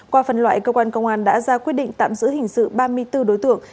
qua phần loại công an đã ra quyết định tạm giữ hình sự ba mươi bốn đối tượng